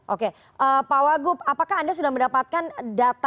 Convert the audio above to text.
oke pak wagup apakah anda sudah mendapatkan data